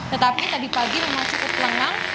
tetapi tadi pagi memang cukup lengang